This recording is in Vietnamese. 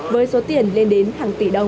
với số tiền lên đến hàng tỷ đồng